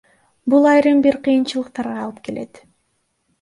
Бул айрым бир кыйынчылыктарга алып келет.